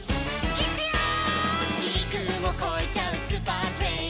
「いくよー！」